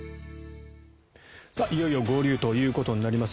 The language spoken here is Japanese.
いよいよ合流ということになります。